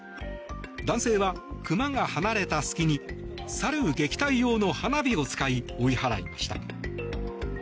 男性はクマが離れた隙にサル撃退用の花火を使い追い払いました。